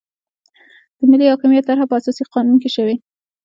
د ملي حاکمیت طرحه په اساسي قانون کې شوې.